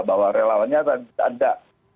bahwa relawannya ada